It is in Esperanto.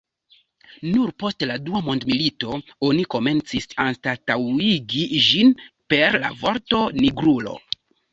Nur post la dua mondmilito oni komencis anstataŭigi ĝin per la vorto "nigrulo".